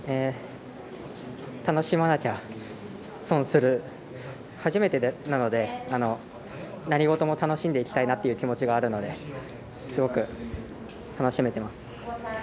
楽しまなきゃ損する初めてなので、何事も楽しんでいきたいなという気持ちがあるのですごく、楽しめています。